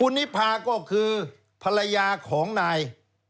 นิพาก็คือภรรยาของนาย